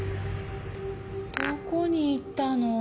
どこにいったの？